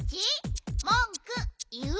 もんくいう？